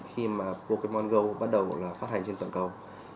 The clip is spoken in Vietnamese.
khi mà pokemon go bắt đầu là phát hành trên tổng cầu